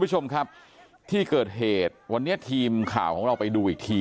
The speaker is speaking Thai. คุณผู้ชมครับที่เกิดเหตุวันนี้ทีมข่าวของเราไปดูอีกที